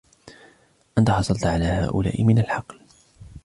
أنتَ حصلت على هؤلاء من الحقل؟